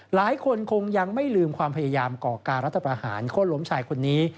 หลายคนคงยังไม่ลืมความพยายามก่อการรัฐประหารโค้นล้มชายคนนี้